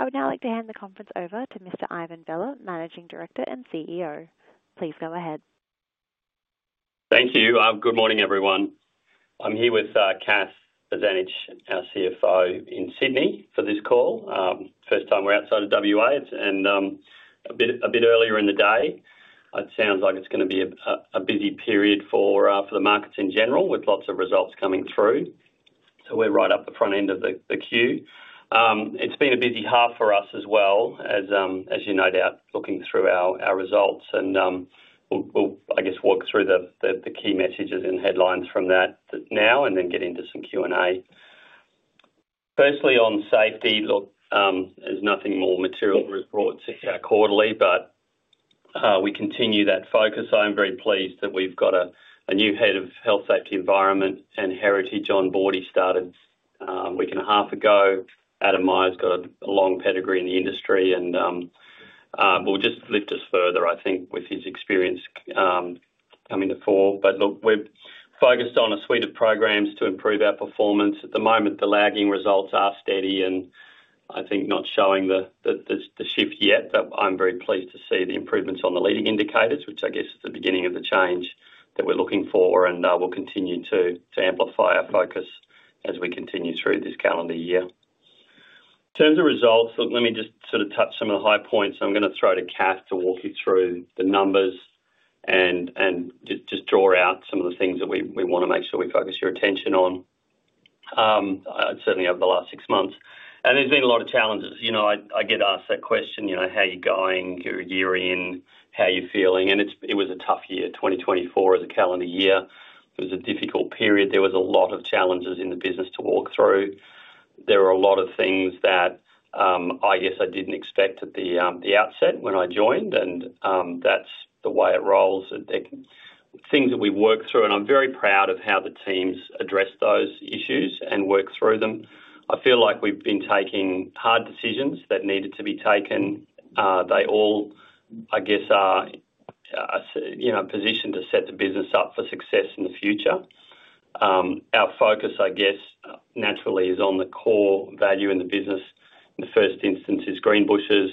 I would now like to hand the conference over to Mr. Ivan Vella, Managing Director and CEO. Please go ahead. Thank you. Good morning, everyone. I'm here with Kath Bozanic, our CFO in Sydney, for this call. First time we're outside of WA, and a bit earlier in the day. It sounds like it's going to be a busy period for the markets in general, with lots of results coming through. So we're right up the front end of the queue. It's been a busy half for us as well, as you note out, looking through our results. And we'll, I guess, walk through the key messages and headlines from that now and then get into some Q&A. Firstly, on safety, look, there's nothing more material to report quarterly, but we continue that focus. I'm very pleased that we've got a new Head of Health, Safety, Environment, and Heritage on board. He started a week and a half ago. Adam Meyer's got a long pedigree in the industry. And we'll just lift us further, I think, with his experience coming to the fore. But look, we're focused on a suite of programs to improve our performance. At the moment, the lagging results are steady and I think not showing the shift yet. But I'm very pleased to see the improvements on the leading indicators, which I guess is the beginning of the change that we're looking for. And we'll continue to amplify our focus as we continue through this calendar year. In terms of results, let me just sort of touch some of the high points. I'm going to throw to Kath to walk you through the numbers and just draw out some of the things that we want to make sure we focus your attention on. I'd certainly, over the last six months. And there's been a lot of challenges. I get asked that question, "How are you going? One year in, how are you feeling?", and it was a tough year. 2024 is a calendar year. It was a difficult period. There were a lot of challenges in the business to walk through. There were a lot of things that I guess I didn't expect at the outset when I joined, and that's the way it rolls. Things that we work through, and I'm very proud of how the teams address those issues and work through them. I feel like we've been taking hard decisions that needed to be taken. They all, I guess, are positioned to set the business up for success in the future. Our focus, I guess, naturally is on the core value in the business. In the first instance, it's Greenbushes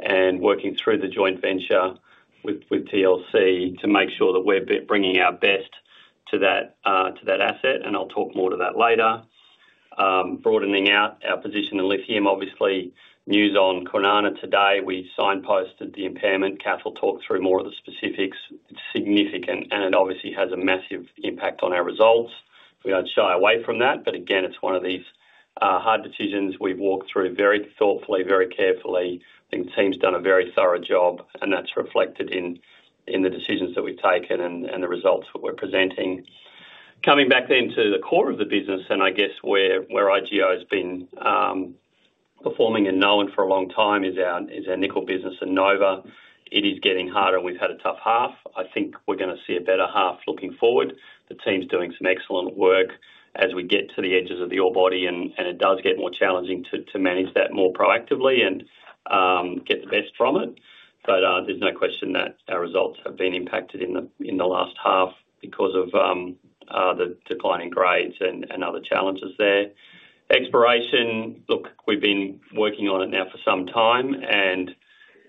and working through the joint venture with TLC to make sure that we're bringing our best to that asset. And I'll talk more to that later. Broadening out our position in lithium, obviously. News on Kwinana today. We signposted the impairment. Kath talked through more of the specifics. It's significant and it obviously has a massive impact on our results. We don't shy away from that. But again, it's one of these hard decisions. We've walked through very thoughtfully, very carefully. I think the team's done a very thorough job. And that's reflected in the decisions that we've taken and the results that we're presenting. Coming back then to the core of the business, and I guess where IGO has been performing and known for a long time is our nickel business and Nova. It is getting harder. We've had a tough half. I think we're going to see a better half looking forward. The team's doing some excellent work as we get to the edges of the ore body, and it does get more challenging to manage that more proactively and get the best from it, but there's no question that our results have been impacted in the last half because of the declining grades and other challenges there. Exploration, look, we've been working on it now for some time and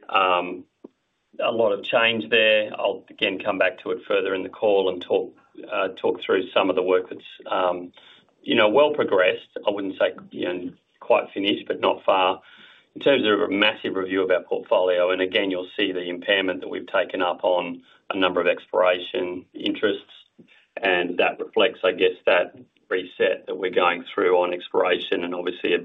a lot of change there. I'll again come back to it further in the call and talk through some of the work that's well progressed. I wouldn't say quite finished, but not far. In terms of a massive review of our portfolio, and again, you'll see the impairment that we've taken up on a number of exploration interests. And that reflects, I guess, that reset that we're going through on exploration and obviously a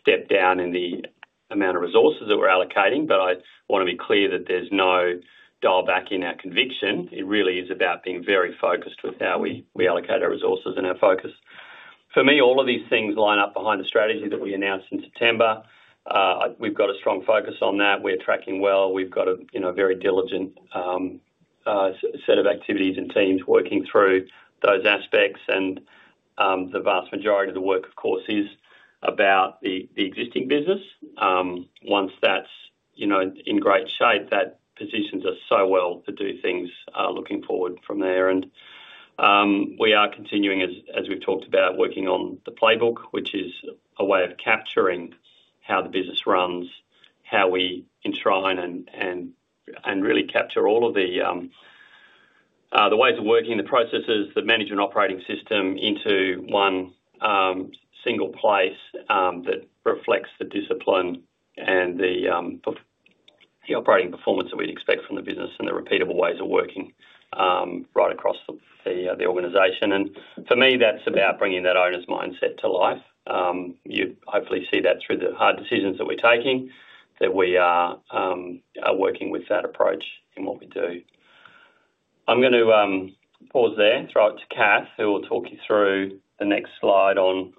step down in the amount of resources that we're allocating. But I want to be clear that there's no dial back in our conviction. It really is about being very focused with how we allocate our resources and our focus. For me, all of these things line up behind the strategy that we announced in September. We've got a strong focus on that. We're tracking well. We've got a very diligent set of activities and teams working through those aspects. And the vast majority of the work, of course, is about the existing business. Once that's in great shape, that positions us so well to do things looking forward from there. And we are continuing, as we've talked about, working on the playbook, which is a way of capturing how the business runs, how we enshrine and really capture all of the ways of working, the processes, the management operating system into one single place that reflects the discipline and the operating performance that we'd expect from the business and the repeatable ways of working right across the organization. And for me, that's about bringing that owner's mindset to life. You hopefully see that through the hard decisions that we're taking, that we are working with that approach in what we do. I'm going to pause there, throw it to Kath, who will talk you through the next slide on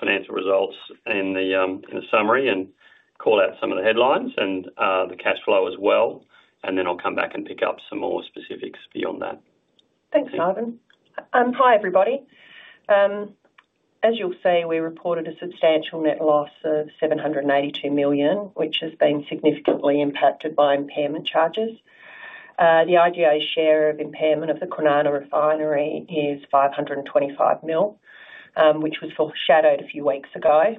financial results in the summary and call out some of the headlines and the cash flow as well. And then I'll come back and pick up some more specifics beyond that. Thanks, Ivan. Hi, everybody. As you'll see, we reported a substantial net loss of 782 million, which has been significantly impacted by impairment charges. The IGO share of impairment of the Kwinana Refinery is 525 million, which was foreshadowed a few weeks ago.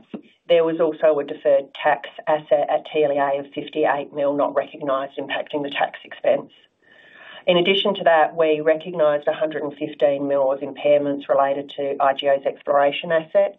There was also a deferred tax asset at TLA of 58 million not recognised, impacting the tax expense. In addition to that, we recognized 115 million of impairments related to IGO's exploration assets.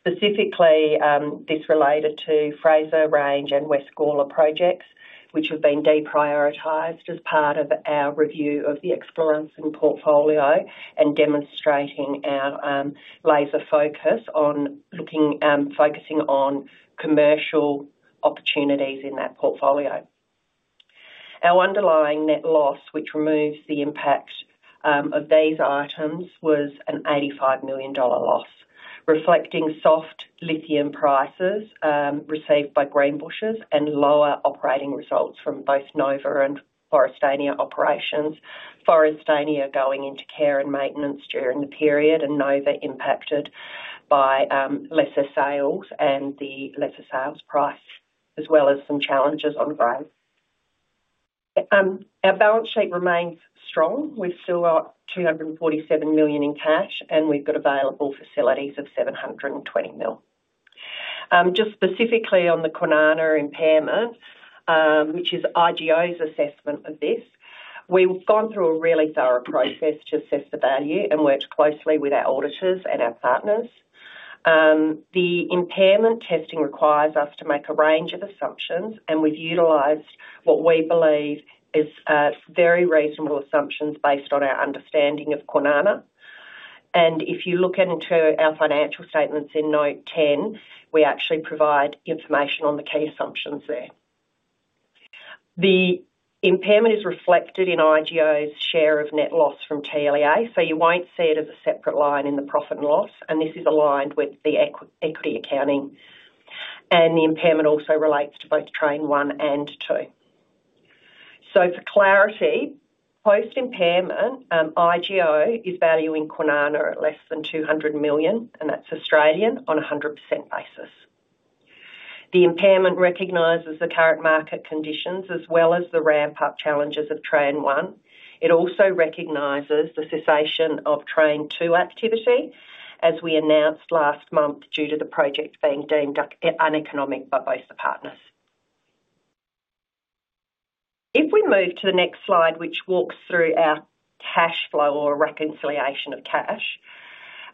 Specifically, this related to Fraser Range and West Gawler projects, which have been deprioritized as part of our review of the exploration and portfolio and demonstrating our laser focus on focusing on commercial opportunities in that portfolio. Our underlying net loss, which removes the impact of these items, was an 85 million dollar loss, reflecting soft lithium prices received by Greenbushes and lower operating results from both Nova and Forrestania operations. Forrestania going into Care and Maintenance during the period, and Nova impacted by lesser sales and the lesser sales price, as well as some challenges on growth. Our balance sheet remains strong. We've still got 247 million in cash, and we've got available facilities of 720 million. Just specifically on the Kwinana impairment, which is IGO's assessment of this, we've gone through a really thorough process to assess the value and worked closely with our auditors and our partners. The impairment testing requires us to make a range of assumptions, and we've utilized what we believe are very reasonable assumptions based on our understanding of Kwinana, and if you look into our financial statements in note 10, we actually provide information on the key assumptions there. The impairment is reflected in IGO's share of net loss from TLA, so you won't see it as a separate line in the profit and loss, and this is aligned with the equity accounting, and the impairment also relates to both train one and two, for clarity, post-impairment, IGO is valuing Kwinana at less than 200 million, and that's Australian on a 100% basis. The impairment recognizes the current market conditions as well as the ramp-up challenges of train one. It also recognizes the cessation of train two activity, as we announced last month due to the project being deemed uneconomic by both the partners. If we move to the next slide, which walks through our cash flow or reconciliation of cash,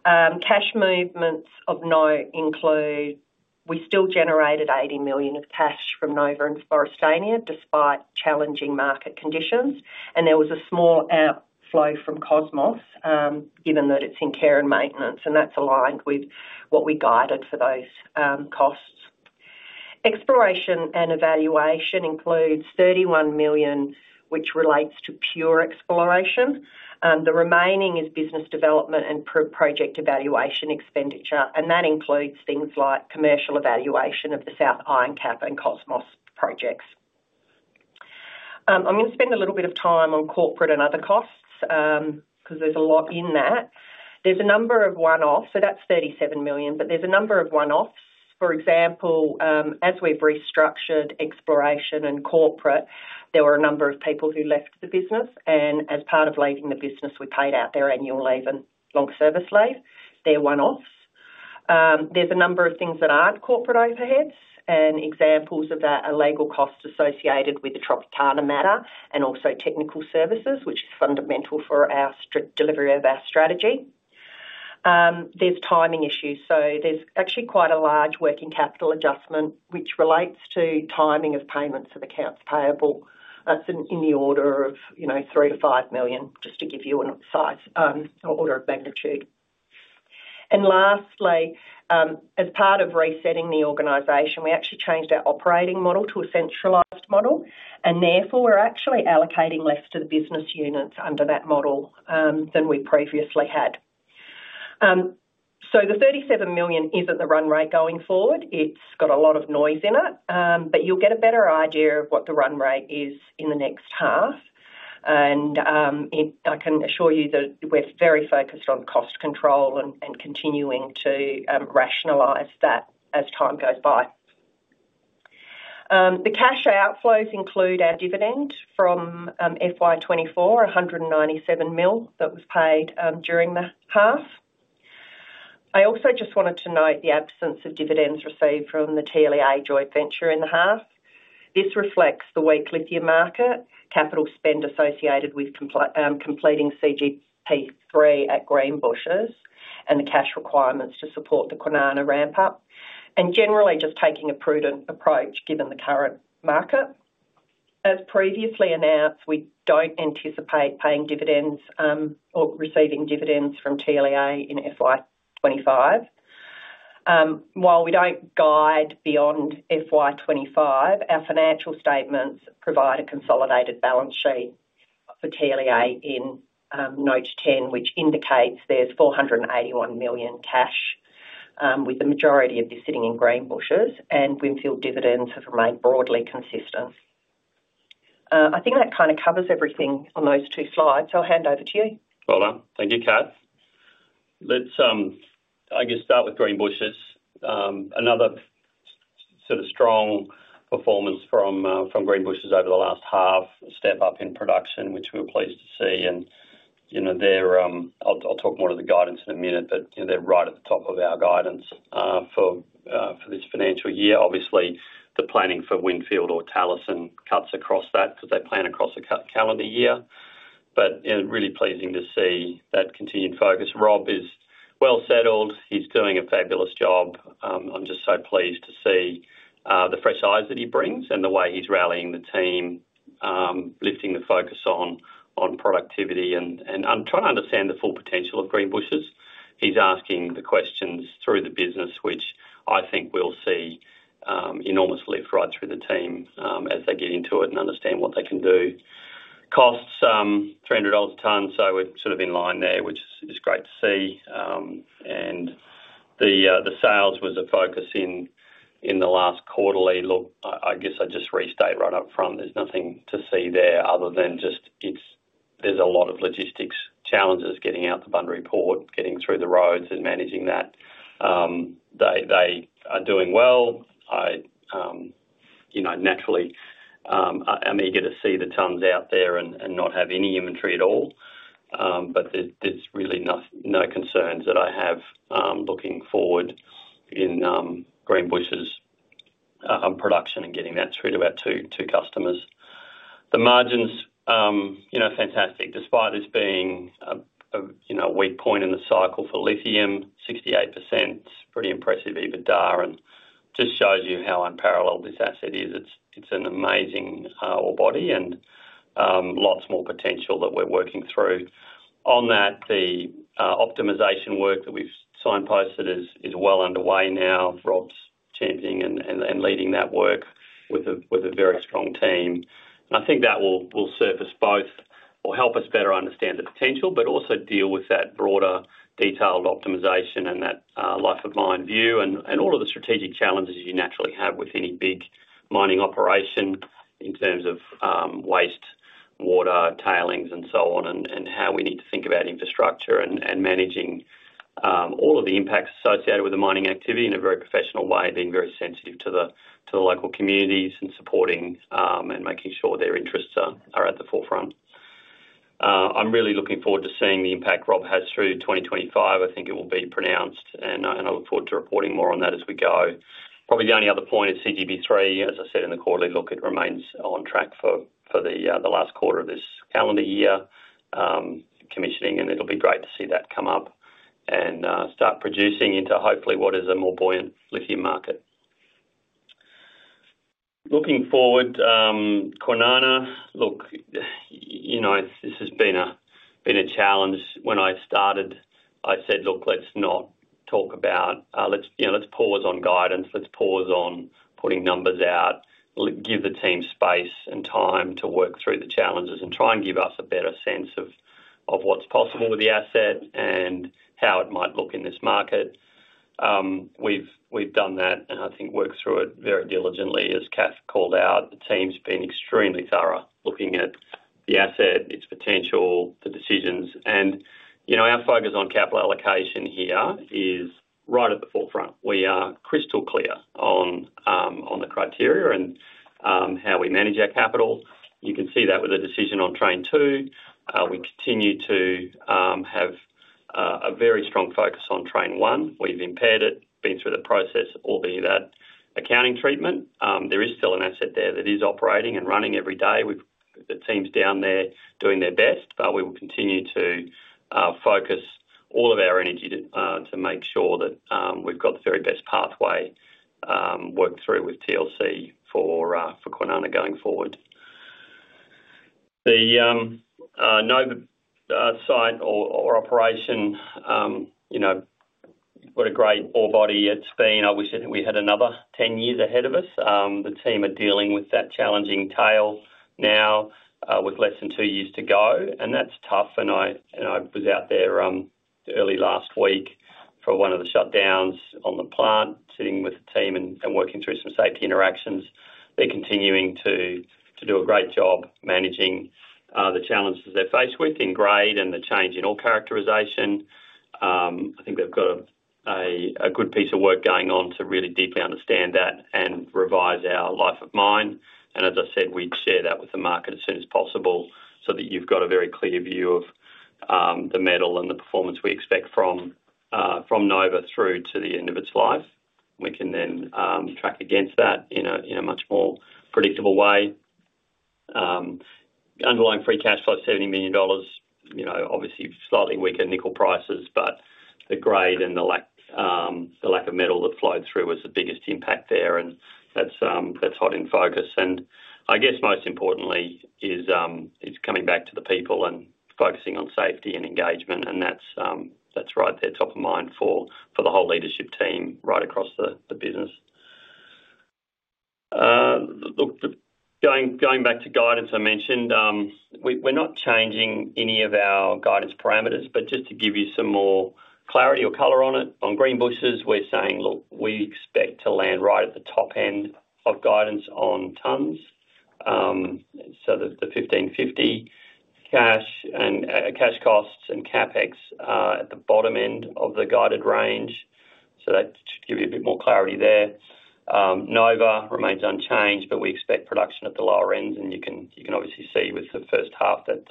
cash movements of note include we still generated 80 million of cash from Nova and Forrestania despite challenging market conditions. There was a small outflow from Cosmos, given that it's in care and maintenance, and that's aligned with what we guided for those costs. Exploration and evaluation includes 31 million, which relates to pure exploration. The remaining is Business Development and Project Evaluation expenditure. And that includes things like commercial evaluation of the South Ironcap and Cosmos projects. I'm going to spend a little bit of time on corporate and other costs because there's a lot in that. There's a number of one-offs, so that's 37 million, but there's a number of one-offs. For example, as we've restructured exploration and corporate, there were a number of people who left the business. And as part of leaving the business, we paid out their annual leave and long service leave. They're one-offs. There's a number of things that aren't corporate overheads, and examples of that are legal costs associated with the Tropicana matter and also technical services, which is fundamental for our delivery of our strategy. There's timing issues. So there's actually quite a large working capital adjustment, which relates to timing of payments of accounts payable. That's in the order of 3-5 million, just to give you an order of magnitude. And lastly, as part of resetting the organization, we actually changed our operating model to a centralized model. And therefore, we're actually allocating less to the business units under that model than we previously had. So the 37 million isn't the run rate going forward. It's got a lot of noise in it. But you'll get a better idea of what the run rate is in the next half. I can assure you that we're very focused on cost control and continuing to rationalize that as time goes by. The cash outflows include our dividend from FY24, 197 million that was paid during the half. I also just wanted to note the absence of dividends received from the TLA joint venture in the half. This reflects the weak lithium market, capital spend associated with completing CGP3 at Greenbushes, and the cash requirements to support the Kwinana ramp-up. And generally, just taking a prudent approach given the current market. As previously announced, we don't anticipate paying dividends or receiving dividends from TLA in FY25. While we don't guide beyond FY25, our financial statements provide a consolidated balance sheet for TLA in note 10, which indicates there's 481 million cash, with the majority of this sitting in Greenbushes. Windfield dividends have remained broadly consistent. I think that kind of covers everything on those two slides. I'll hand over to you. Well done. Thank you, Kath. Let's I guess start with Greenbushes. Another sort of strong performance from Greenbushes over the last half, a step up in production, which we were pleased to see, and I'll talk more to the guidance in a minute, but they're right at the top of our guidance for this financial year. Obviously, the planning for Windfield or Talison cuts across that because they plan across a calendar year, but really pleasing to see that continued focus. Rob is well settled. He's doing a fabulous job. I'm just so pleased to see the fresh eyes that he brings and the way he's rallying the team, lifting the focus on productivity, and I'm trying to understand the full potential of Greenbushes. He's asking the questions through the business, which I think we'll see enormous lift right through the team as they get into it and understand what they can do. Costs, 300 dollars a tonne, so we're sort of in line there, which is great to see. And the sales was a focus in the last quarterly look. I guess I just restate right up front, there's nothing to see there other than just there's a lot of logistics challenges getting out the Bunbury Port, getting through the roads and managing that. They are doing well. Naturally, I'm eager to see the tonnes out there and not have any inventory at all. But there's really no concerns that I have looking forward in Greenbushes production and getting that through to our two customers. The margins, fantastic. Despite this being a weak point in the cycle for lithium, 68%, pretty impressive even Darren. Just shows you how unparalleled this asset is. It's an amazing ore body and lots more potential that we're working through. On that, the optimization work that we've signposted is well underway now. Rob's championing and leading that work with a very strong team. And I think that will surface both or help us better understand the potential, but also deal with that broader detailed optimization and that life of mine view and all of the strategic challenges you naturally have with any big mining operation in terms of waste, water, tailings, and so on, and how we need to think about infrastructure and managing all of the impacts associated with the mining activity in a very professional way, being very sensitive to the local communities and supporting and making sure their interests are at the forefront. I'm really looking forward to seeing the impact Rob has through 2025. I think it will be pronounced, and I look forward to reporting more on that as we go. Probably the only other point is CGP3. As I said in the quarterly look, it remains on track for the last quarter of this calendar year commissioning, and it'll be great to see that come up and start producing into hopefully what is a more buoyant lithium market. Looking forward, Kwinana, look, this has been a challenge. When I started, I said, "Look, let's not talk about let's pause on guidance. Let's pause on putting numbers out. Give the team space and time to work through the challenges and try and give us a better sense of what's possible with the asset and how it might look in this market." We've done that, and I think worked through it very diligently, as Kath called out. The team's been extremely thorough looking at the asset, its potential, the decisions. And our focus on capital allocation here is right at the forefront. We are crystal clear on the criteria and how we manage our capital. You can see that with a decision on train two. We continue to have a very strong focus on train one. We've impaired it, been through the process, albeit that accounting treatment. There is still an asset there that is operating and running every day. The team's down there doing their best, but we will continue to focus all of our energy to make sure that we've got the very best pathway worked through with TLC for Kwinana going forward. The Nova site or operation, what a great ore body it's been. I wish we had another 10 years ahead of us. The team are dealing with that challenging tail now with less than two years to go. That's tough. And I was out there early last week for one of the shutdowns on the plant, sitting with the team and working through some safety interactions. They're continuing to do a great job managing the challenges they're faced with in grade and the change in ore characterisation. I think they've got a good piece of work going on to really deeply understand that and revise our life of mine. And as I said, we'd share that with the market as soon as possible so that you've got a very clear view of the metal and the performance we expect from Nova through to the end of its life. We can then track against that in a much more predictable way. Underlying free cash flow, 70 million dollars, obviously slightly weaker nickel prices, but the grade and the lack of metal that flowed through was the biggest impact there. And that's hot in focus. And I guess most importantly is coming back to the people and focusing on safety and engagement. And that's right there top of mind for the whole leadership team right across the business. Look, going back to guidance I mentioned, we're not changing any of our guidance parameters, but just to give you some more clarity or color on it. On Greenbushes, we're saying, "Look, we expect to land right at the top end of guidance on tonnes." So the 1,550 cash costs and CapEx are at the bottom end of the guided range. So that should give you a bit more clarity there. Nova remains unchanged, but we expect production at the lower ends. And you can obviously see with the first half that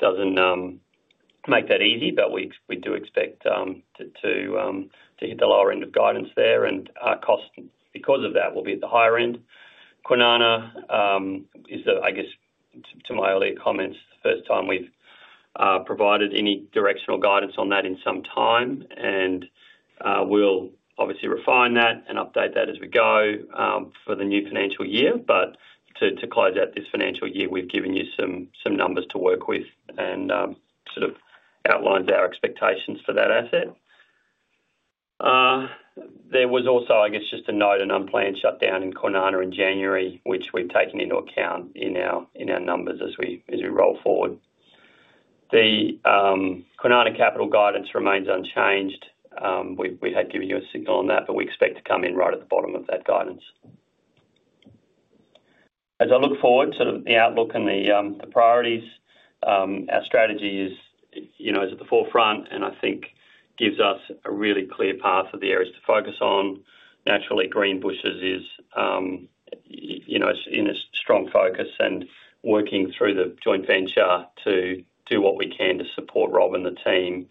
doesn't make that easy, but we do expect to hit the lower end of guidance there. And cost because of that will be at the higher end. Kwinana is, I guess, to my earlier comments, the first time we've provided any directional guidance on that in some time. And we'll obviously refine that and update that as we go for the new financial year. But to close out this financial year, we've given you some numbers to work with and sort of outlines our expectations for that asset. There was also, I guess, just a note, an unplanned shutdown in Kwinana in January, which we've taken into account in our numbers as we roll forward. The Kwinana capital guidance remains unchanged. We had given you a signal on that, but we expect to come in right at the bottom of that guidance. As I look forward, sort of the outlook and the priorities, our strategy is at the forefront and I think gives us a really clear path of the areas to focus on. Naturally, Greenbushes is in a strong focus and working through the joint venture to do what we can to support Rob and the team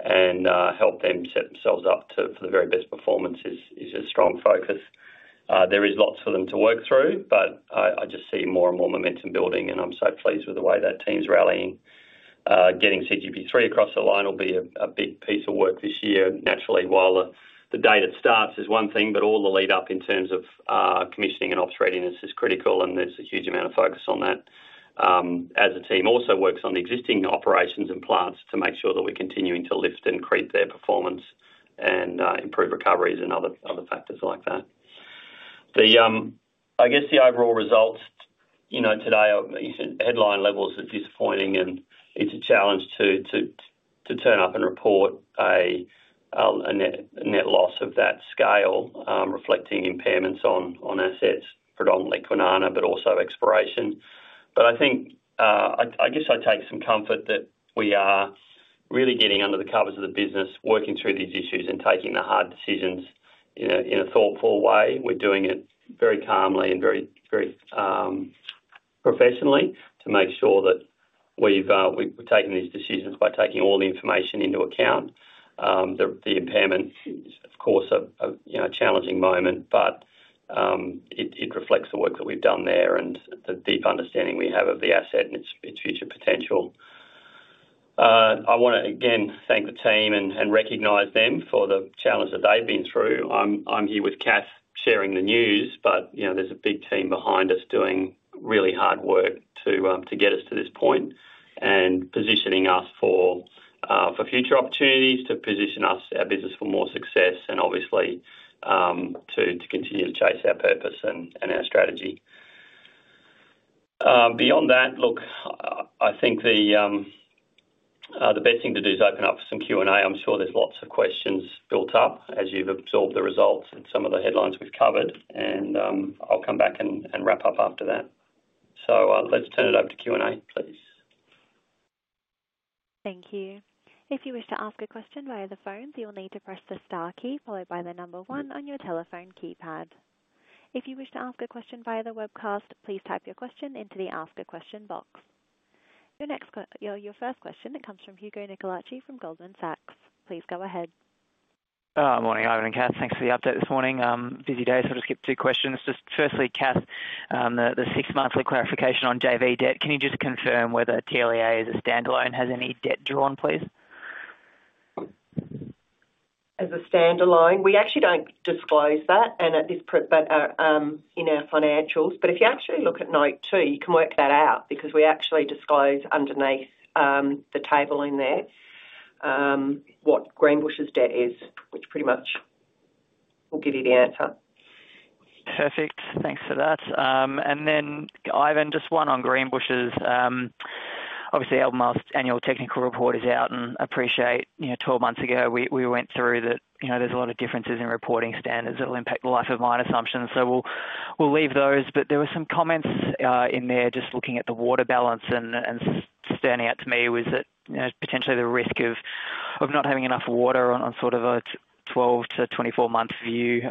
and help them set themselves up for the very best performance is a strong focus. There is lots for them to work through, but I just see more and more momentum building, and I'm so pleased with the way that team's rallying. Getting CGP3 across the line will be a big piece of work this year. Naturally, while the day that starts is one thing, but all the lead-up in terms of commissioning and ops readiness is critical, and there's a huge amount of focus on that. As a team also works on the existing operations and plants to make sure that we're continuing to lift and creep their performance and improve recoveries and other factors like that. I guess the overall results today, headline levels are disappointing, and it's a challenge to turn up and report a net loss of that scale, reflecting impairments on assets, predominantly Kwinana, but also exploration. But I guess I take some comfort that we are really getting under the covers of the business, working through these issues and taking the hard decisions in a thoughtful way. We're doing it very calmly and very professionally to make sure that we've taken these decisions by taking all the information into account. The impairment is, of course, a challenging moment, but it reflects the work that we've done there and the deep understanding we have of the asset and its future potential. I want to, again, thank the team and recognize them for the challenge that they've been through. I'm here with Kath sharing the news, but there's a big team behind us doing really hard work to get us to this point and positioning us for future opportunities to position our business for more success and obviously to continue to chase our purpose and our strategy. Beyond that, look, I think the best thing to do is open up for some Q&A. I'm sure there's lots of questions built up as you've absorbed the results and some of the headlines we've covered, and I'll come back and wrap up after that. So let's turn it over to Q&A, please. Thank you. If you wish to ask a question via the phone, you'll need to press the star key followed by the number one on your telephone keypad. If you wish to ask a question via the webcast, please type your question into the ask a question box. Your first question comes from Hugo Niccolai from Goldman Sachs. Please go ahead. Morning, Ivan and Kath. Thanks for the update this morning. Busy day, so I'll just skip two questions. Just firstly, Kath, the six-monthly clarification on JV debt, can you just confirm whether TLEA as a standalone has any debt drawn, please? As a standalone, we actually don't disclose that in our financials. But if you actually look at note two, you can work that out because we actually disclose underneath the table in there what Greenbushes' debt is, which pretty much will give you the answer. Perfect. Thanks for that. And then, Ivan, just one on Greenbushes. Obviously, Albemarle's annual technical report is out, and I appreciate 12 months ago we went through that there's a lot of differences in reporting standards that will impact the life of mine assumptions. So we'll leave those. But there were some comments in there just looking at the water balance, and standing out to me was that potentially the risk of not having enough water on sort of a 12- to 24-month view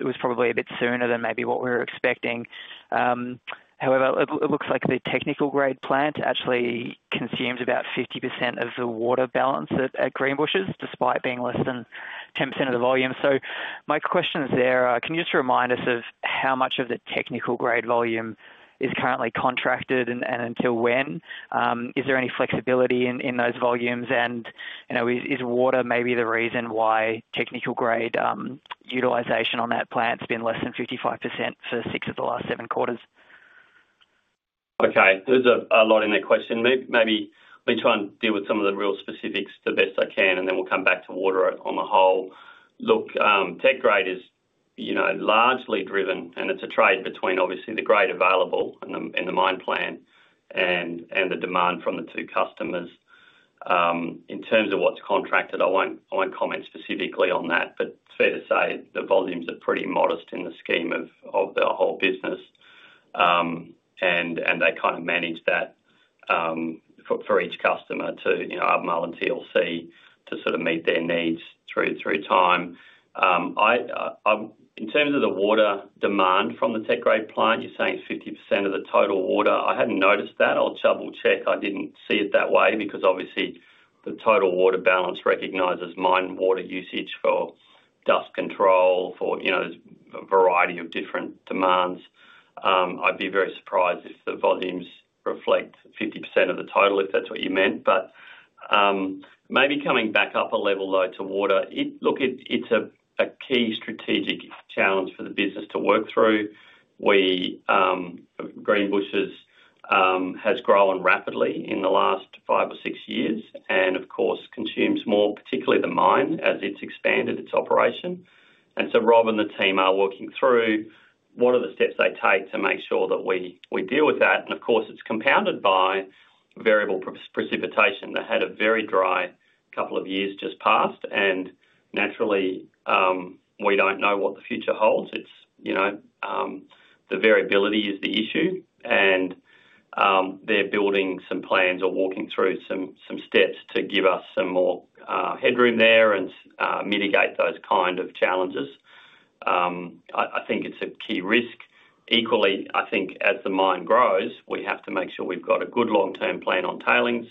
was probably a bit sooner than maybe what we were expecting. However, it looks like the technical grade plant actually consumes about 50% of the water balance at Greenbushes despite being less than 10% of the volume. So my question is there, can you just remind us of how much of the technical grade volume is currently contracted and until when? Is there any flexibility in those volumes? And is water maybe the reason why technical grade utilization on that plant's been less than 55% for six of the last seven quarters? Okay. There's a lot in that question. Maybe let me try and deal with some of the real specifics the best I can, and then we'll come back to water on the whole. Look, tech grade is largely driven, and it's a trade between obviously the grade available and the mine plan and the demand from the two customers. In terms of what's contracted, I won't comment specifically on that, but it's fair to say the volumes are pretty modest in the scheme of the whole business, and they kind of manage that for each customer too, Albemarle and TLC, to sort of meet their needs through time. In terms of the water demand from the tech grade plant, you're saying 50% of the total water. I hadn't noticed that. I'll double-check. I didn't see it that way because obviously the total water balance recognizes mine water usage for dust control, for a variety of different demands. I'd be very surprised if the volumes reflect 50% of the total, if that's what you meant. But maybe coming back up a level though to water, look, it's a key strategic challenge for the business to work through. Greenbushes has grown rapidly in the last five or six years and, of course, consumes more, particularly the mine, as it's expanded its operation. And so Rob and the team are working through what are the steps they take to make sure that we deal with that. And of course, it's compounded by variable precipitation. They had a very dry couple of years just past, and naturally, we don't know what the future holds. The variability is the issue, and they're building some plans or walking through some steps to give us some more headroom there and mitigate those kind of challenges. I think it's a key risk. Equally, I think as the mine grows, we have to make sure we've got a good long-term plan on tailings,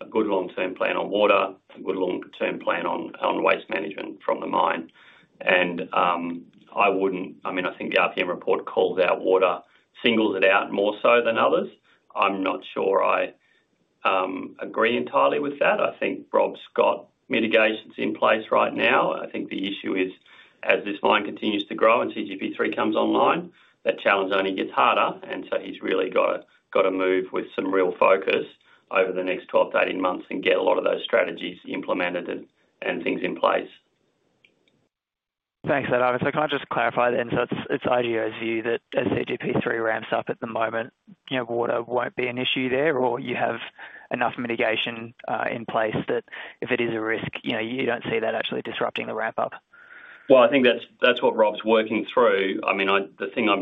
a good long-term plan on water, a good long-term plan on waste management from the mine. And I mean, I think the RPM report calls out water, singles it out more so than others. I'm not sure I agree entirely with that. I think Rob's got mitigations in place right now. I think the issue is, as this mine continues to grow and CGP3 comes online, that challenge only gets harder. He’s really got to move with some real focus over the next 12 to 18 months and get a lot of those strategies implemented and things in place. Thanks for that, Ivan. So can I just clarify then? So it's IGO's view that as CGP3 ramps up at the moment, water won't be an issue there, or you have enough mitigation in place that if it is a risk, you don't see that actually disrupting the ramp-up? I think that's what Rob's working through. I mean, the thing I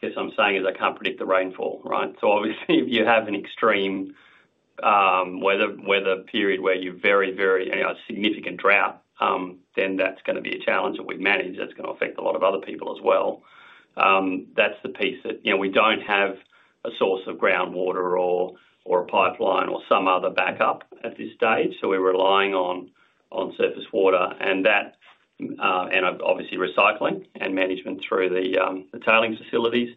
guess I'm saying is I can't predict the rainfall, right? So obviously, if you have an extreme weather period where you're very, very significant drought, then that's going to be a challenge that we've managed that's going to affect a lot of other people as well. That's the piece that we don't have a source of groundwater or a pipeline or some other backup at this stage. So we're relying on surface water and obviously recycling and management through the tailings facilities.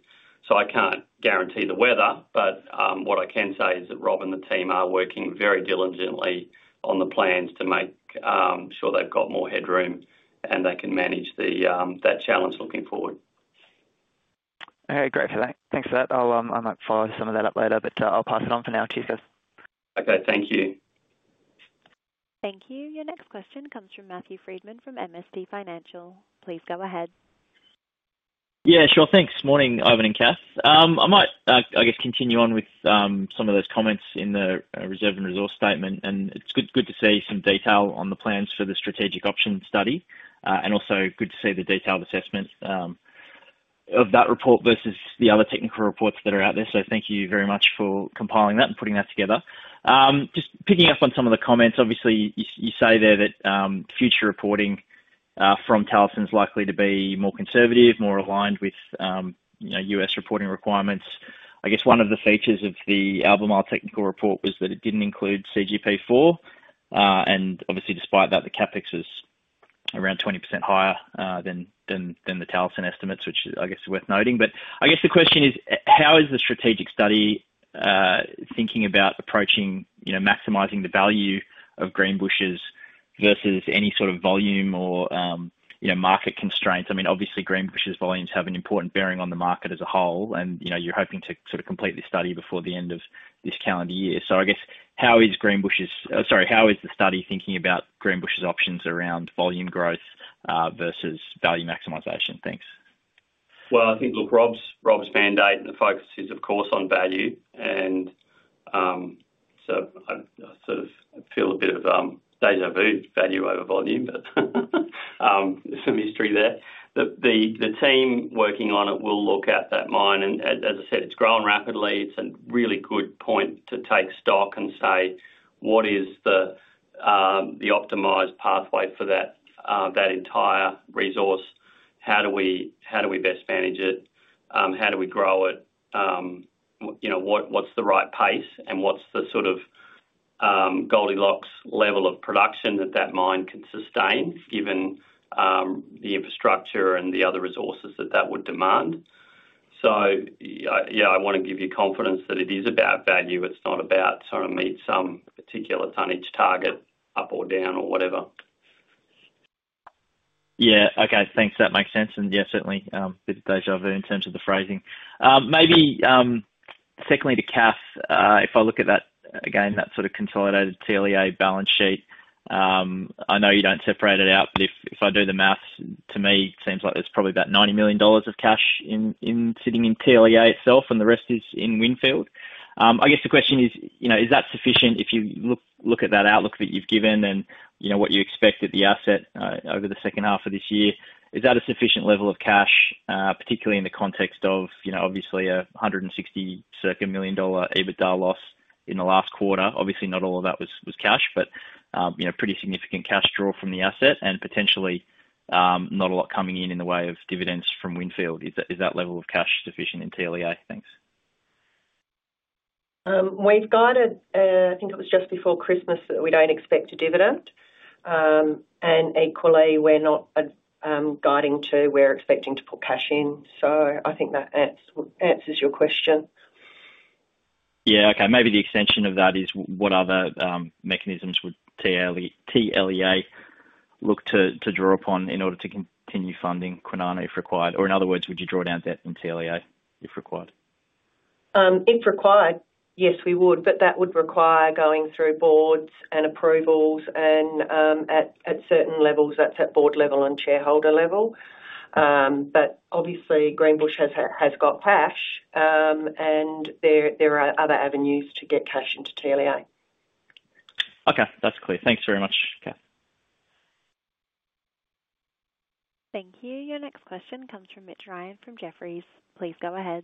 So I can't guarantee the weather, but what I can say is that Rob and the team are working very diligently on the plans to make sure they've got more headroom and they can manage that challenge looking forward. Great. Thanks for that. I might follow some of that up later, but I'll pass it on for now to you guys. Okay. Thank you. Thank you. Your next question comes from Matthew Friedman from MST Financial. Please go ahead. Yeah, sure. Thanks. Morning, Ivan and Kath. I might, I guess, continue on with some of those comments in the reserve and resource statement. And it's good to see some detail on the plans for the strategic option study and also good to see the detailed assessment of that report versus the other technical reports that are out there. So thank you very much for compiling that and putting that together. Just picking up on some of the comments, obviously, you say there that future reporting from Talison is likely to be more conservative, more aligned with U.S. reporting requirements. I guess one of the features of the Albemarle technical report was that it didn't include CGP4. And obviously, despite that, the CapEx is around 20% higher than the Talison estimates, which I guess is worth noting. But I guess the question is, how is the strategic study thinking about approaching maximizing the value of Greenbushes versus any sort of volume or market constraints? I mean, obviously, Greenbushes' volumes have an important bearing on the market as a whole, and you're hoping to sort of complete the study before the end of this calendar year. So I guess how is Greenbushes, sorry, how is the study thinking about Greenbushes' options around volume growth versus value maximization? Thanks. I think look, Rob's mandate and the focus is, of course, on value. And so I sort of feel a bit of déjà vu, value over volume, but some history there. The team working on it will look at that mine. And as I said, it's grown rapidly. It's a really good point to take stock and say, what is the optimized pathway for that entire resource? How do we best manage it? How do we grow it? What's the right pace? And what's the sort of Goldilocks level of production that that mine can sustain given the infrastructure and the other resources that would demand? So yeah, I want to give you confidence that it is about value. It's not about trying to meet some particular tonnage target up or down or whatever. Yeah. Okay. Thanks. That makes sense. And yeah, certainly déjà vu in terms of the phrasing. Maybe secondly to Kath, if I look at that again, that sort of consolidated TLEA balance sheet, I know you don't separate it out, but if I do the math, to me, it seems like there's probably about 90 million dollars of cash sitting in TLEA itself, and the rest is in Windfield. I guess the question is, is that sufficient if you look at that outlook that you've given and what you expect at the asset over the second half of this year? Is that a sufficient level of cash, particularly in the context of obviously a 160 million dollar EBITDA loss in the last quarter? Obviously, not all of that was cash, but pretty significant cash draw from the asset and potentially not a lot coming in in the way of dividends from Windfield. Is that level of cash sufficient in TLEA? Thanks. We've got. I think it was just before Christmas that we don't expect a dividend. And equally, we're not guiding to where we're expecting to put cash in. So I think that answers your question. Yeah. Okay. Maybe the extension of that is what other mechanisms would TLEA look to draw upon in order to continue funding Kwinana if required? Or in other words, would you draw down debt in TLEA if required? If required, yes, we would. But that would require going through boards and approvals. And at certain levels, that's at board level and shareholder level. But obviously, Greenbushes has got cash, and there are other avenues to get cash into TLEA. Okay. That's clear. Thanks very much, Kath. Thank you. Your next question comes from Mitch Ryan from Jefferies. Please go ahead.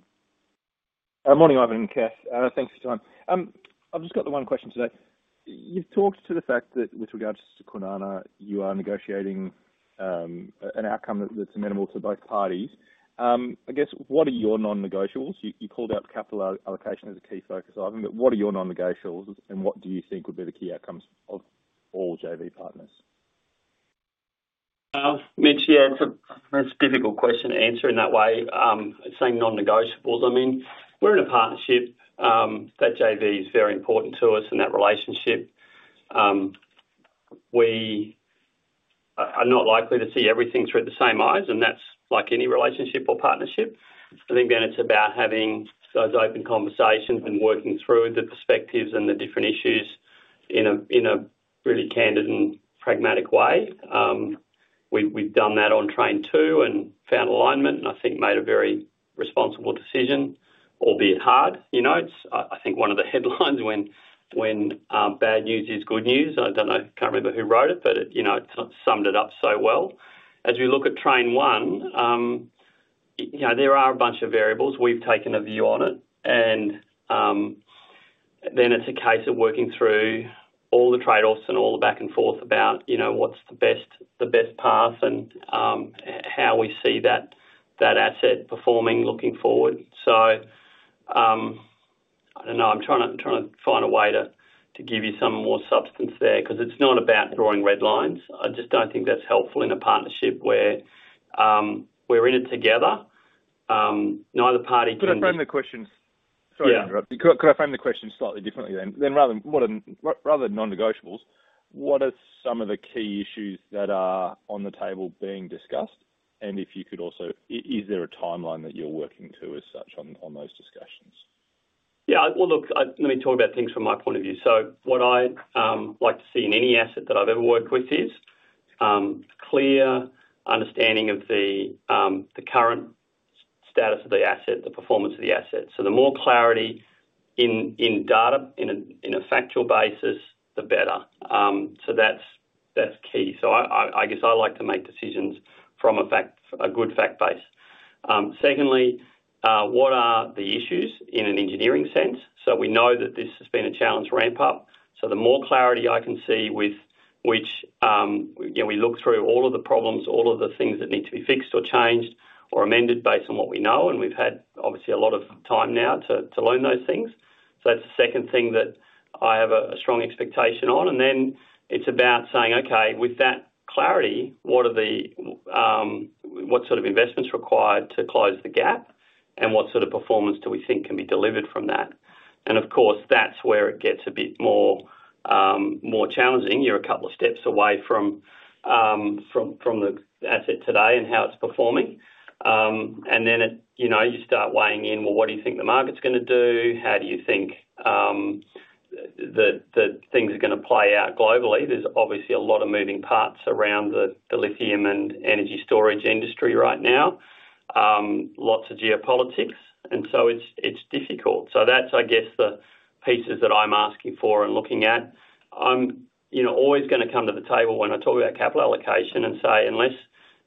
Morning, Ivan and Kath. Thanks for joining. I've just got the one question today. You've talked to the fact that with regards to Kwinana, you are negotiating an outcome that's amenable to both parties. I guess what are your non-negotiables? You called out capital allocation as a key focus, Ivan, but what are your non-negotiables, and what do you think would be the key outcomes of all JV partners? Mitch, yeah, it's a difficult question to answer in that way. Saying non-negotiables, I mean, we're in a partnership that JV is very important to us in that relationship. We are not likely to see everything through the same eyes, and that's like any relationship or partnership. I think then it's about having those open conversations and working through the perspectives and the different issues in a really candid and pragmatic way. We've done that on train two and found alignment, and I think made a very responsible decision, albeit hard. I think one of the headlines "when bad news is good news." I don't know, can't remember who wrote it, but it summed it up so well. As we look at train one, there are a bunch of variables. We've taken a view on it. And then it's a case of working through all the trade-offs and all the back and forth about what's the best path and how we see that asset performing looking forward. So I don't know. I'm trying to find a way to give you some more substance there because it's not about drawing red lines. I just don't think that's helpful in a partnership where we're in it together. Neither party can. Could I frame the questions? Sorry to interrupt. Could I frame the questions slightly differently then? Then rather than non-negotiables, what are some of the key issues that are on the table being discussed? And if you could also, is there a timeline that you're working to as such on those discussions? Yeah. Well, look, let me talk about things from my point of view. So what I like to see in any asset that I've ever worked with is a clear understanding of the current status of the asset, the performance of the asset. So the more clarity in data, in a factual basis, the better. So that's key. So I guess I like to make decisions from a good fact base. Secondly, what are the issues in an engineering sense? So we know that this has been a challenge ramp-up. So the more clarity I can see with which we look through all of the problems, all of the things that need to be fixed or changed or amended based on what we know. And we've had obviously a lot of time now to learn those things. So that's the second thing that I have a strong expectation on. And then it's about saying, okay, with that clarity, what sort of investment's required to close the gap, and what sort of performance do we think can be delivered from that? And of course, that's where it gets a bit more challenging. You're a couple of steps away from the asset today and how it's performing. And then you start weighing in, well, what do you think the market's going to do? How do you think that things are going to play out globally? There's obviously a lot of moving parts around the lithium and energy storage industry right now, lots of geopolitics. And so it's difficult. So that's, I guess, the pieces that I'm asking for and looking at. I'm always going to come to the table when I talk about capital allocation and say, unless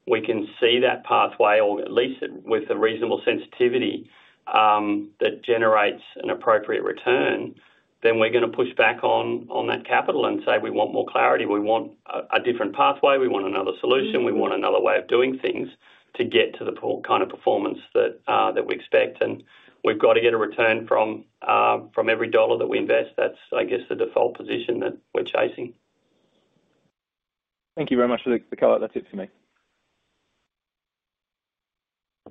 we can see that pathway, or at least with a reasonable sensitivity that generates an appropriate return, then we're going to push back on that capital and say, we want more clarity. We want a different pathway. We want another solution. We want another way of doing things to get to the kind of performance that we expect. And we've got to get a return from every dollar that we invest. That's, I guess, the default position that we're chasing. Thank you very much, Mitch Ryan. That's it for me.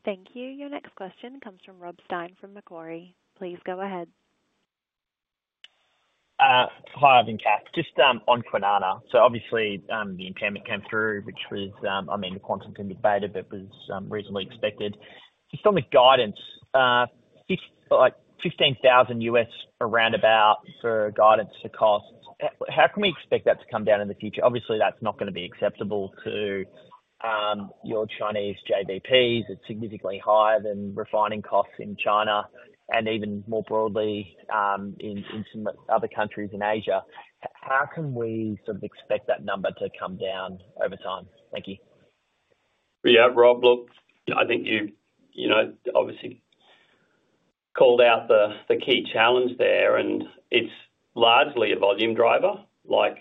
Thank you. Your next question comes from Rob Stein from Macquarie. Please go ahead. Hi, Ivan and Kath. Just on Kwinana. So obviously, the impairment came through, which was, I mean, the quantum can be better, but was reasonably expected. Just on the guidance, $15,000 around about for guidance to cost. How can we expect that to come down in the future? Obviously, that's not going to be acceptable to your Chinese JVPs. It's significantly higher than refining costs in China and even more broadly in some other countries in Asia. How can we sort of expect that number to come down over time? Thank you. Yeah, Rob, look, I think you obviously called out the key challenge there. And it's largely a volume driver. Like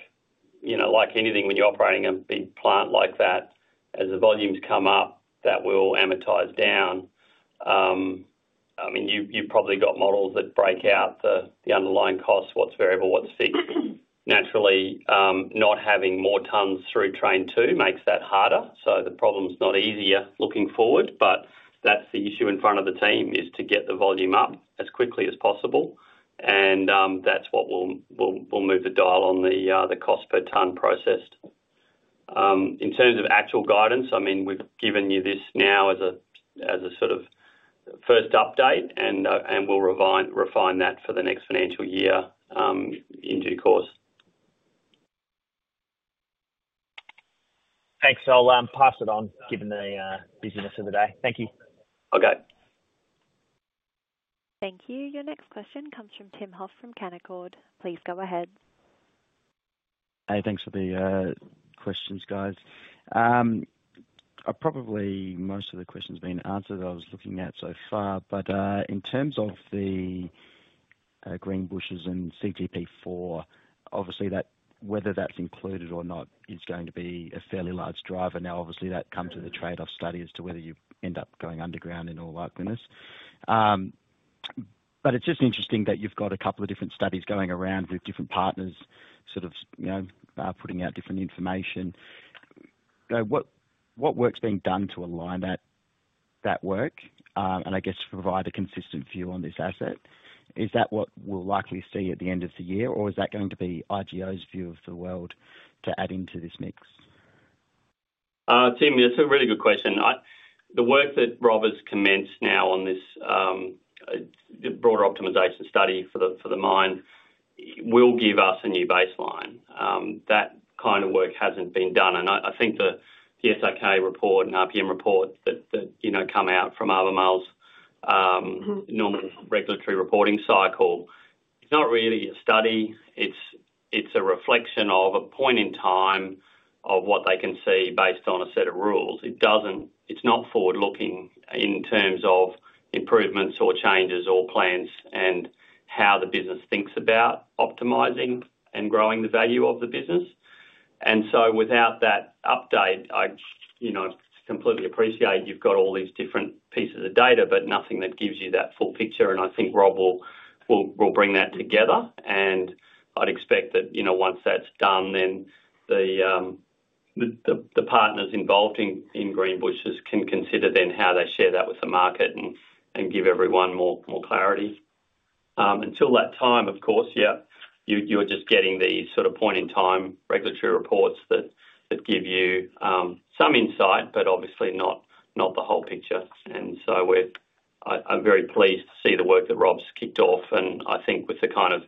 anything, when you're operating a big plant like that, as the volumes come up, that will amortize down. I mean, you've probably got models that break out the underlying costs, what's variable, what's fixed. Naturally, not having more tons through train two makes that harder. So the problem's not easier looking forward, but that's the issue in front of the team is to get the volume up as quickly as possible. And that's what will move the dial on the cost per ton processed. In terms of actual guidance, I mean, we've given you this now as a sort of first update, and we'll refine that for the next financial year in due course. Thanks. I'll pass it on given the busyness of the day. Thank you. Okay. Thank you. Your next question comes from Tim Hoff from Canaccord. Please go ahead. Hey, thanks for the questions, guys. Probably most of the questions have been answered that I was looking at so far. But in terms of the Greenbushes and CGP4, obviously, whether that's included or not is going to be a fairly large driver. Now, obviously, that comes with a trade-off study as to whether you end up going underground in all likelihood. But it's just interesting that you've got a couple of different studies going around with different partners sort of putting out different information. What work's being done to align that work and I guess provide a consistent view on this asset? Is that what we'll likely see at the end of the year, or is that going to be IGO's view of the world to add into this mix? Tim, it's a really good question. The work that Rob has commenced now on this broader optimization study for the mine will give us a new baseline. That kind of work hasn't been done, and I think the S-K 1300 report and RPM report that come out from Albemarle, normal regulatory reporting cycle, it's not really a study. It's a reflection of a point in time of what they can see based on a set of rules. It's not forward-looking in terms of improvements or changes or plans and how the business thinks about optimizing and growing the value of the business, and so without that update, I completely appreciate you've got all these different pieces of data, but nothing that gives you that full picture, and I think Rob will bring that together. I'd expect that once that's done, then the partners involved in Greenbushes can consider then how they share that with the market and give everyone more clarity. Until that time, of course, yeah, you're just getting these sort of point-in-time regulatory reports that give you some insight, but obviously not the whole picture. I'm very pleased to see the work that Rob's kicked off. I think with the kind of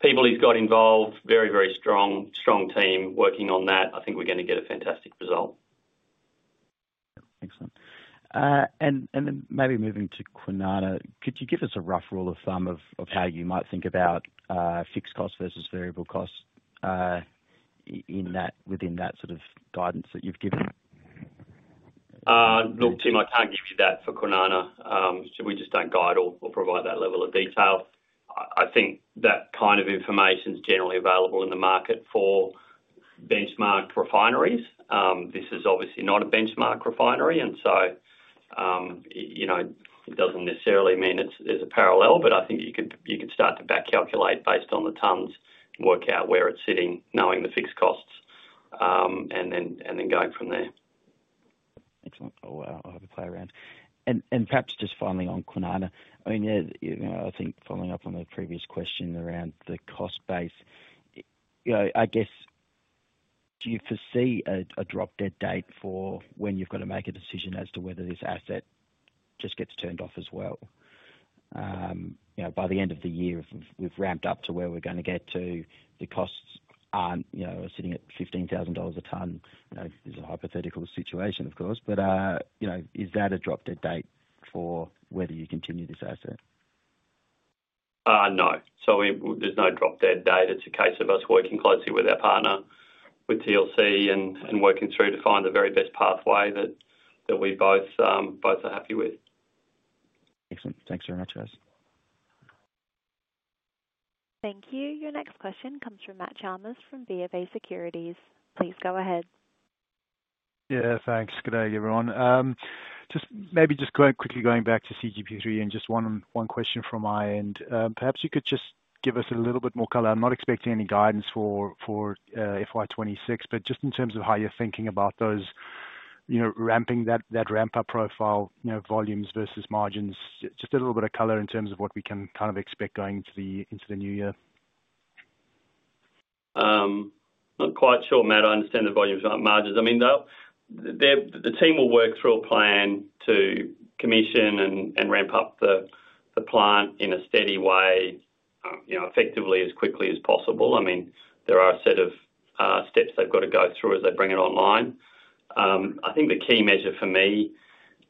people he's got involved, very, very strong team working on that, I think we're going to get a fantastic result. Excellent. And then maybe moving to Kwinana, could you give us a rough rule of thumb of how you might think about fixed costs versus variable costs within that sort of guidance that you've given? Look, Tim, I can't give you that for Kwinana. We just don't guide or provide that level of detail. I think that kind of information is generally available in the market for benchmark refineries. This is obviously not a benchmark refinery. And so it doesn't necessarily mean there's a parallel, but I think you could start to back calculate based on the tons, work out where it's sitting, knowing the fixed costs, and then going from there. Excellent. I'll have a play around and perhaps just finally on Kwinana, I mean, I think following up on the previous question around the cost base, I guess, do you foresee a drop-dead date for when you've got to make a decision as to whether this asset just gets turned off as well? By the end of the year, we've ramped up to where we're going to get to. The costs are sitting at 15,000 dollars a ton. This is a hypothetical situation, of course. But is that a drop-dead date for whether you continue this asset? No, so there's no drop-dead date. It's a case of us working closely with our partner, with TLC, and working through to find the very best pathway that we both are happy with. Excellent. Thanks very much, guys. Thank you. Your next question comes from Matt Chalmers from BofA securities. Please go ahead. Yeah, thanks. Good day, everyone. Just maybe just quite quickly going back to CGP3 and just one question from my end. Perhaps you could just give us a little bit more color. I'm not expecting any guidance for FY26, but just in terms of how you're thinking about those ramping that ramp-up profile, volumes versus margins, just a little bit of color in terms of what we can kind of expect going into the new year. Not quite sure, Matt. I understand the volumes aren't margins. I mean, the team will work through a plan to commission and ramp up the plant in a steady way, effectively as quickly as possible. I mean, there are a set of steps they've got to go through as they bring it online. I think the key measure for me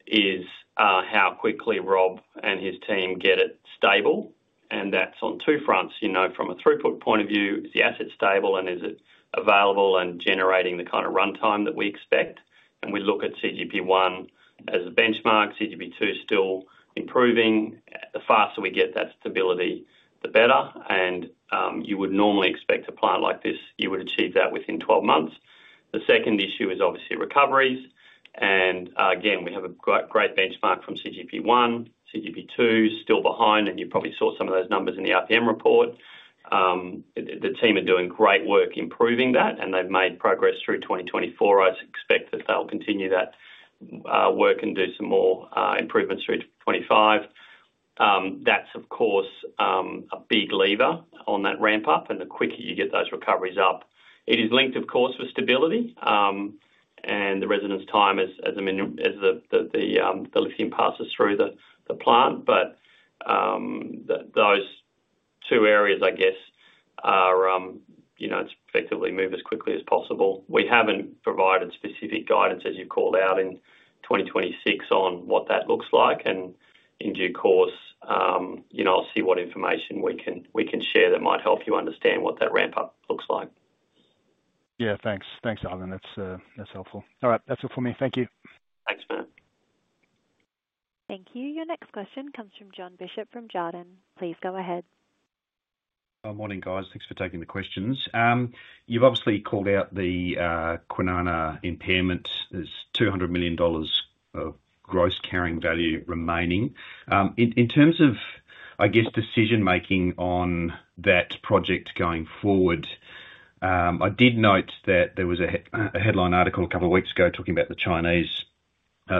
is how quickly Rob and his team get it stable, and that's on two fronts. From a throughput point of view, is the asset stable and is it available and generating the kind of runtime that we expect? We look at CGP1 as a benchmark. CGP2 is still improving. The faster we get that stability, the better. You would normally expect a plant like this; you would achieve that within 12 months. The second issue is obviously recoveries, and again, we have a great benchmark from CGP1. CGP2 is still behind, and you probably saw some of those numbers in the RPM report. The team are doing great work improving that, and they've made progress through 2024. I expect that they'll continue that work and do some more improvements through 2025. That's, of course, a big lever on that ramp-up. And the quicker you get those recoveries up, it is linked, of course, with stability and the residence time as the lithium passes through the plant. But those two areas, I guess, are to effectively move as quickly as possible. We haven't provided specific guidance, as you've called out, in 2026 on what that looks like. And in due course, I'll see what information we can share that might help you understand what that ramp-up looks like. Yeah, thanks. Thanks, Ivan. That's helpful. All right. That's it for me. Thank you. Thanks, Matt. Thank you. Your next question comes from John Bishop from Jarden. Please go ahead. Morning, guys. Thanks for taking the questions. You've obviously called out the Kwinana impairment. There's 200 million dollars of gross carrying value remaining. In terms of, I guess, decision-making on that project going forward, I did note that there was a headline article a couple of weeks ago talking about the Chinese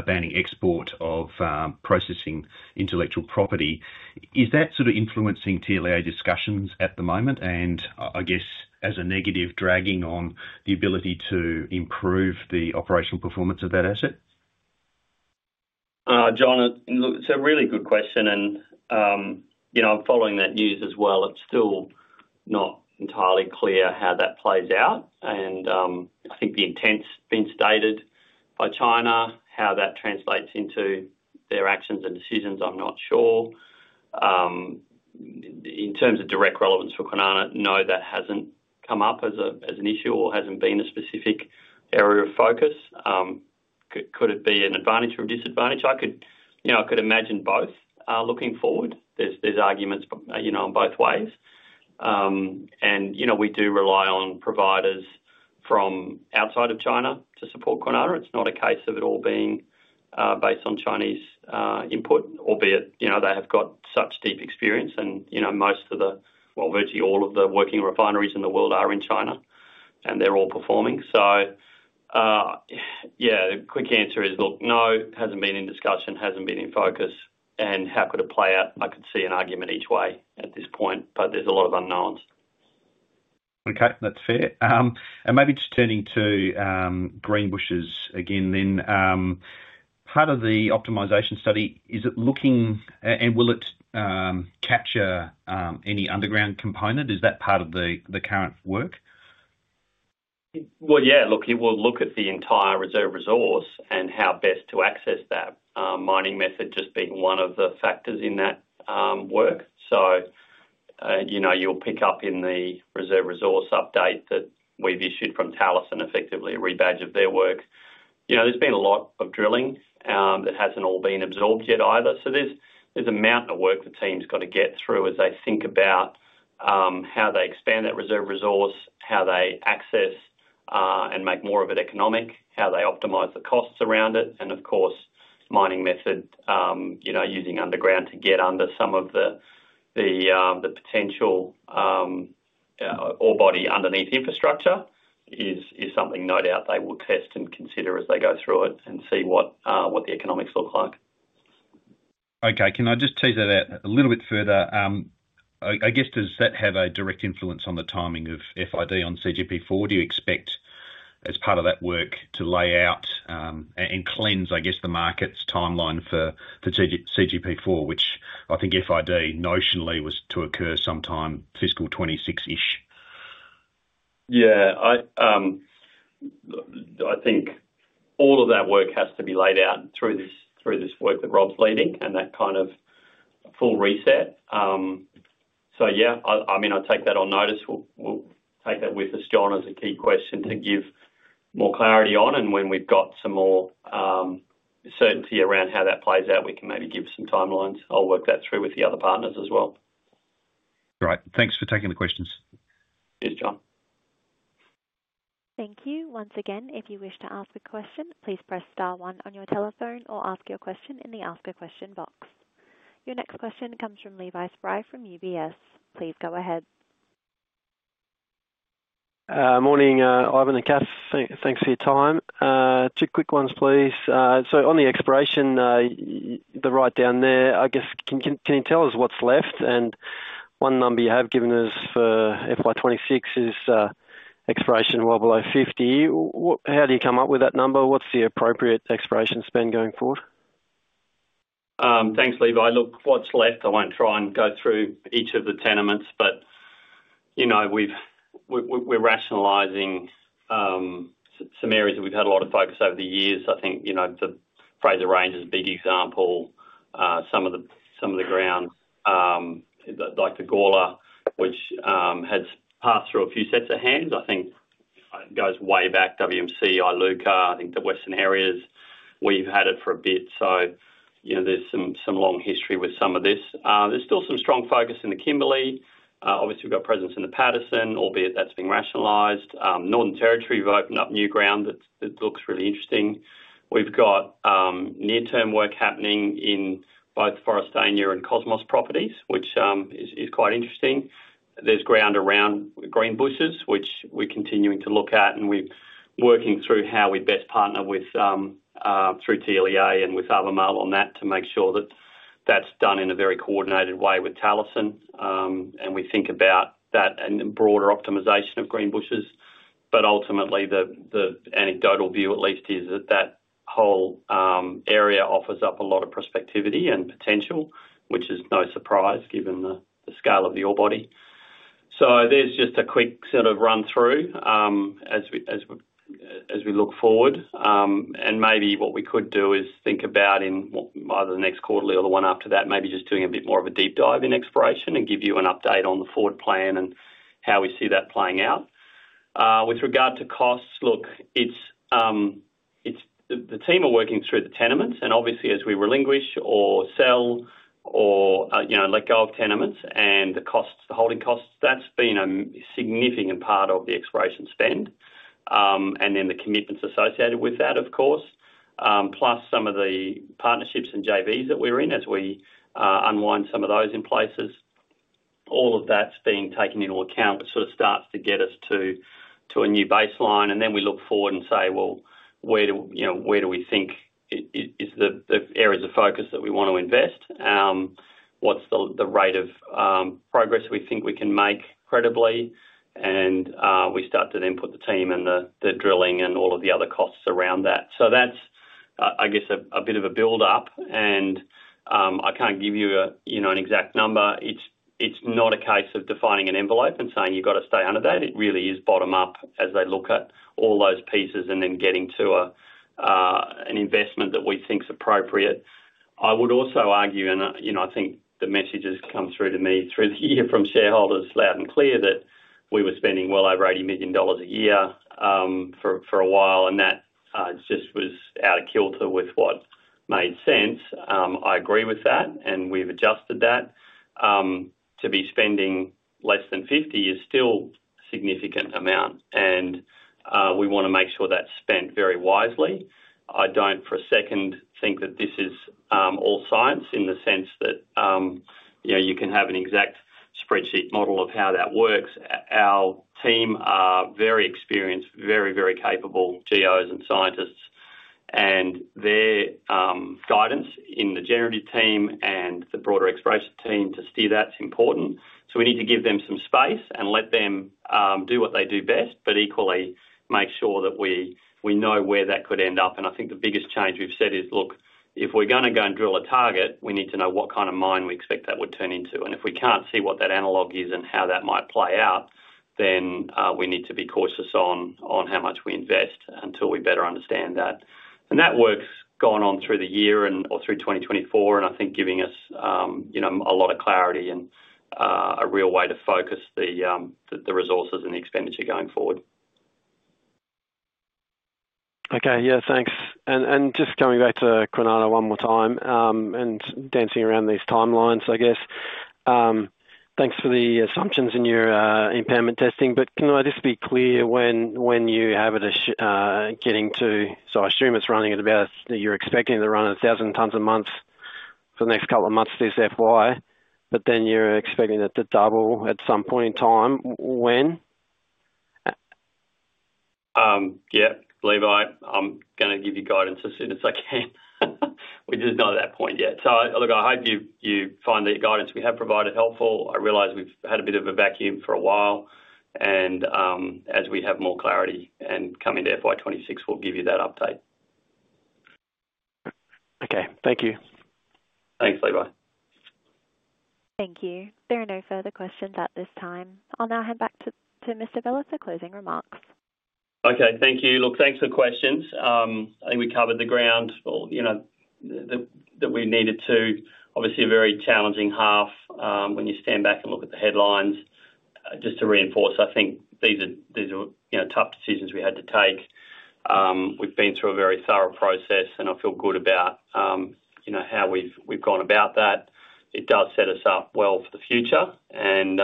banning export of processing intellectual property. Is that sort of influencing TLA discussions at the moment? And I guess as a negative dragging on the ability to improve the operational performance of that asset? John, it's a really good question. And I'm following that news as well. It's still not entirely clear how that plays out. And I think the intents being stated by China, how that translates into their actions and decisions, I'm not sure. In terms of direct relevance for Kwinana, no, that hasn't come up as an issue or hasn't been a specific area of focus. Could it be an advantage or a disadvantage? I could imagine both looking forward. There's arguments in both ways. And we do rely on providers from outside of China to support Kwinana. It's not a case of it all being based on Chinese input, albeit they have got such deep experience. And most of the, well, virtually all of the working refineries in the world are in China, and they're all performing. So yeah, the quick answer is, look, no, hasn't been in discussion, hasn't been in focus. And how could it play out? I could see an argument each way at this point, but there's a lot of unknowns. Okay, that's fair. And maybe just turning to Greenbushes again then. Part of the optimization study, is it looking and will it capture any underground component? Is that part of the current work? Yeah, look, it will look at the entire reserve resource and how best to access that. Mining method just being one of the factors in that work. So you'll pick up in the reserve resource update that we've issued from Talison, effectively a rebadge of their work. There's been a lot of drilling. It hasn't all been absorbed yet either. So there's a mountain of work the team's got to get through as they think about how they expand that reserve resource, how they access and make more of it economic, how they optimize the costs around it. And of course, mining method, using underground to get under some of the potential ore body underneath infrastructure is something no doubt they will test and consider as they go through it and see what the economics look like. Okay, can I just tease that out a little bit further? I guess, does that have a direct influence on the timing of FID on CGP4? Do you expect, as part of that work, to lay out and cleanse, I guess, the market's timeline for CGP4, which I think FID notionally was to occur sometime fiscal 2026-ish? Yeah. I think all of that work has to be laid out through this work that Rob's leading and that kind of full reset. So yeah, I mean, I take that on notice. We'll take that with us, John, as a key question to give more clarity on. And when we've got some more certainty around how that plays out, we can maybe give some timelines. I'll work that through with the other partners as well. All right. Thanks for taking the questions. Cheers, John. Thank you. Once again, if you wish to ask a question, please press star one on your telephone or ask your question in the ask a question box. Your next question comes from Levi Spry from UBS. Please go ahead. Morning, Ivan and Kath. Thanks for your time. Two quick ones, please. So on the exploration, the write-down there, I guess, can you tell us what's left? And one number you have given us for FY26 is exploration well below 50. How do you come up with that number? What's the appropriate exploration spend going forward? Thanks, Levi. Look, what's left? I won't try and go through each of the tenements, but we're rationalizing some areas that we've had a lot of focus over the years. I think the Fraser Range is a big example. Some of the grounds, like the Gorla, which has passed through a few sets of hands. I think it goes way back, WMC, Iluka. I think the Western Areas, we've had it for a bit. So there's some long history with some of this. There's still some strong focus in the Kimberley. Obviously, we've got presence in the Paterson, albeit that's been rationalized. Northern Territory, we've opened up new ground that looks really interesting. We've got near-term work happening in both Forrestania and Cosmos properties, which is quite interesting. There's ground around Greenbushes, which we're continuing to look at. We're working through how we best partner through TLEA and with Albemarle on that to make sure that that's done in a very coordinated way with Talison. We think about that and broader optimization of Greenbushes. Ultimately, the anecdotal view at least is that that whole area offers up a lot of prospectivity and potential, which is no surprise given the scale of the ore body. There's just a quick sort of run-through as we look forward. Maybe what we could do is think about in either the next quarterly or the one after that, maybe just doing a bit more of a deep dive in exploration and give you an update on the forward plan and how we see that playing out. With regard to costs, look, the team are working through the tenements. And obviously, as we relinquish or sell or let go of tenements and the holding costs, that's been a significant part of the exploration spend. And then the commitments associated with that, of course, plus some of the partnerships and JVs that we're in as we unwind some of those in places. All of that's been taken into account, which sort of starts to get us to a new baseline. And then we look forward and say, well, where do we think are the areas of focus that we want to invest? What's the rate of progress we think we can make credibly? And we start to then put the team and the drilling and all of the other costs around that. So that's, I guess, a bit of a build-up. And I can't give you an exact number. It's not a case of defining an envelope and saying, you've got to stay under that. It really is bottom-up as they look at all those pieces and then getting to an investment that we think's appropriate. I would also argue, and I think the message has come through to me through the year from shareholders loud and clear that we were spending well over 80 million dollars a year for a while, and that just was out of kilter with what made sense. I agree with that, and we've adjusted that. To be spending less than 50 million is still a significant amount, and we want to make sure that's spent very wisely. I don't for a second think that this is all science in the sense that you can have an exact spreadsheet model of how that works. Our team are very experienced, very, very capable GOs and scientists. And their guidance in the generative team and the broader exploration team to steer. That's important. So we need to give them some space and let them do what they do best, but equally make sure that we know where that could end up. And I think the biggest change we've said is, look, if we're going to go and drill a target, we need to know what kind of mine we expect that would turn into. And if we can't see what that analogue is and how that might play out, then we need to be cautious on how much we invest until we better understand that. And that work's gone on through the year or through 2024, and I think giving us a lot of clarity and a real way to focus the resources and the expenditure going forward. Okay, yeah, thanks. And just coming back to Kwinana one more time and dancing around these timelines, I guess. Thanks for the assumptions in your impairment testing, but can I just be clear when you have it getting to so I assume it's running at about you're expecting to run at 1,000 tonnes a month for the next couple of months through FY, but then you're expecting it to double at some point in time. When? Yeah, Levi, I'm going to give you guidance as soon as I can. We're just not at that point yet. So look, I hope you find that your guidance we have provided helpful. I realize we've had a bit of a vacuum for a while, and as we have more clarity and come into FY26, we'll give you that update. Okay, thank you. Thanks, Levi. Thank you. There are no further questions at this time. I'll now hand back to Mr. Vella for closing remarks. Okay, thank you. Look, thanks for the questions. I think we covered the ground that we needed to. Obviously, a very challenging half when you stand back and look at the headlines. Just to reinforce, I think these are tough decisions we had to take. We've been through a very thorough process, and I feel good about how we've gone about that. It does set us up well for the future, and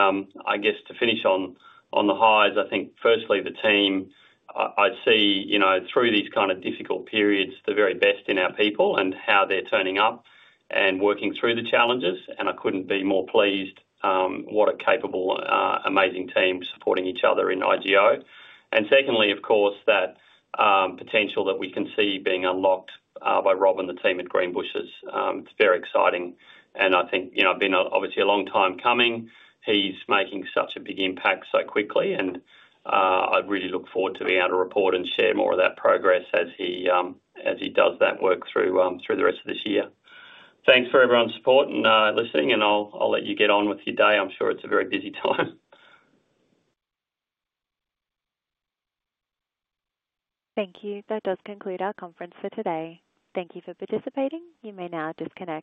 I guess to finish on the highs, I think, firstly, the team, I see through these kind of difficult periods, the very best in our people and how they're turning up and working through the challenges, and I couldn't be more pleased, what a capable, amazing team supporting each other in IGO, and secondly, of course, that potential that we can see being unlocked by Rob and the team at Greenbushes. It's very exciting. I think it's been obviously a long time coming. He's making such a big impact so quickly, and I really look forward to being able to report and share more of that progress as he does that work through the rest of this year. Thanks for everyone's support and listening, and I'll let you get on with your day. I'm sure it's a very busy time. Thank you. That does conclude our conference for today. Thank you for participating. You may now disconnect.